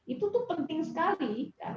itu tuh penting sekali